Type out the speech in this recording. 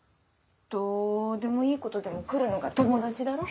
どうでもいいことでも来るのが友達だろ。